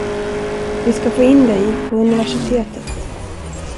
Vi ska få in dig på universitet.